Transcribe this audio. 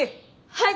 はい！